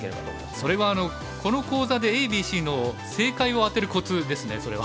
それはあのこの講座でＡＢＣの正解を当てるコツですねそれは。